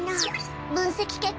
分析結果